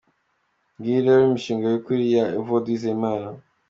Ngiyi rero inshingano y’ukuri ya Evode Uwizeyimana.